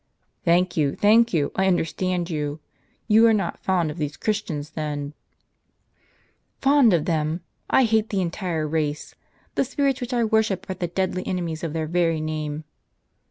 "Thank you, thank you; I understand you. Tou are not fond of these Christians, then ?" "Fond of them? I hate the entire race. The spirits which I worship are the deadly enemies of their very name."